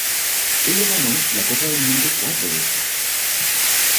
Ella ganó la Copa del Mundo cuatro veces.